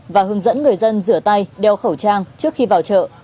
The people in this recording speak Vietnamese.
và hướng dẫn người dân rửa tay đeo khẩu trang trước khi vào chợ